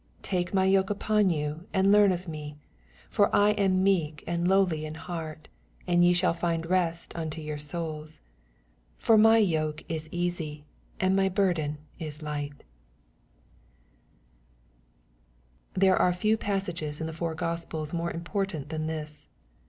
99 Take my yoke npon yon, and learn of me ; for I am meek and lowly in heart ; and ye ahall find rent nnto your Boma. 80 For my yoke it easy, and my burden ia light. Thebe are few passages in the four Gospels more im* portant than this.